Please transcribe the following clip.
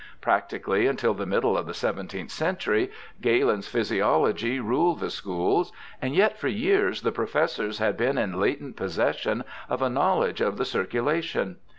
Practically until the middle of the seventeenth century Galen's physiology ruled the schools, and yet for years the profession had been in latent possession of a knowledge of the circulation.